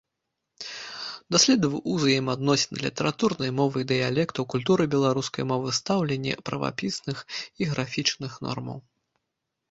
Даследаваў узаемаадносіны літаратурнай мовы і дыялектаў, культуру беларускай мовы, станаўленне правапісных і графічных нормаў.